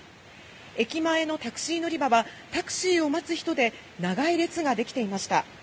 駅前のタクシー乗り場はタクシーを待つ人で長い列ができていました。